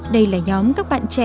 đây là nhóm các bạn trẻ